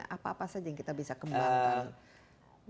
apa saja yang bisa kita kembangkan